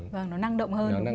và nó năng động hơn